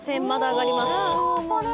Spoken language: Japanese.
まだ上がります。